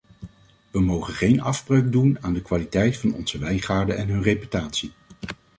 We mogen geen afbreuk doen aan de kwaliteit van onze wijngaarden en hun reputatie.